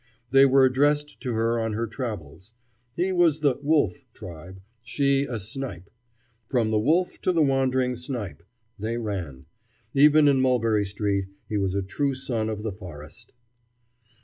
They were addressed to her on her travels. He was of the "wolf" tribe, she a "snipe." "From the wolf to the wandering snipe," they ran. Even in Mulberry Street he was a true son of the forest.